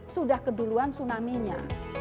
sudah keduluan tsunaminya